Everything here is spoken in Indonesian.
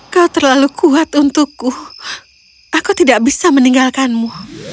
kau terlalu kuat untukku aku tidak bisa meninggalkanmu